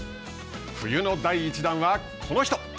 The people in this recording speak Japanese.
冬の第１弾はこの人。